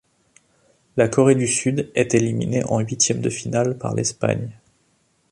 La Corée du Sud est éliminée en huitième de finale par l'Espagne.